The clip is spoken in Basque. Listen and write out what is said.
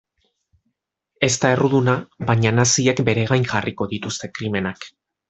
Ez da erruduna baina naziek bere gain jarriko dituzte krimenak.